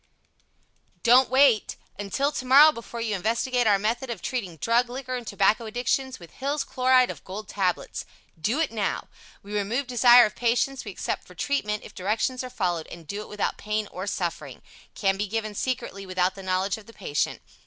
Don't Wait Until tomorrow before you investigate our method of treating Drug, Liquor and Tobacco addictions with Hill's Chloride of Gold Tablets. Do it Now We remove desire of patients we accept for treatment, if directions are followed, and do it without pain or suffering. Can be given Secretly without the knowledge of the patient.